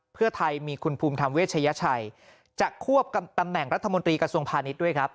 เพื่อไทยมีคุณภูมิธรรมเวชยชัยจะควบตำแหน่งรัฐมนตรีกระทรวงพาณิชย์ด้วยครับ